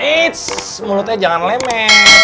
eits mulutnya jangan lemes